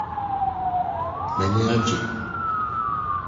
M’ani gyei.